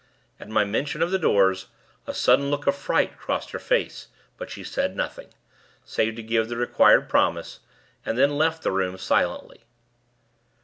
At my mention of the doors, a sudden look of fright crossed her face; but she said nothing, save to give the required promise, and then left the room, silently.